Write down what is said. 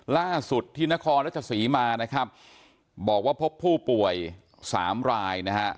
ล่าสุดที่นครรัชศรีมานะครับบอกว่าพบผู้ป่วยสามรายนะฮะ